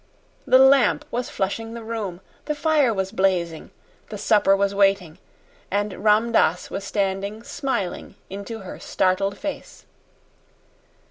The lamp was flushing the room, the fire was blazing, the supper was waiting; and Ram Dass was standing smiling into her startled face.